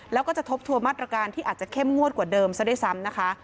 แล้วก็จะทบทัวร์มาตรการที่อาจจะเข้มงวดกว่าเดิมซะด้วยซ้ำนะคะ